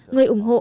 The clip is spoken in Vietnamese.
người ủng hộ